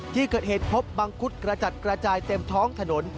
ที่เกิดเหตุพบมังคุดกระจัดกระจายเต็มท้องถนน